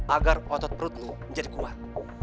agar otot perut lu menjadi kuat